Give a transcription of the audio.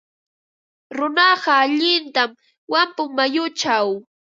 Runaqa allintam wampun mayuchaw.